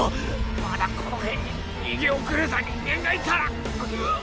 まだこの辺に逃げ遅れた人間がいたらうぅ。